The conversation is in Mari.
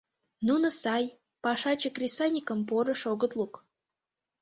Нуно сай, пашаче кресаньыкым порыш огыт лук.